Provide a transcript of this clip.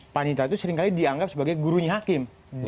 panitra itu seringkali dianggap sebagai gurunya hakim